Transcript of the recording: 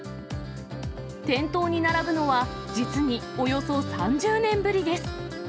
店頭に並ぶのは、実におよそ３０年ぶりです。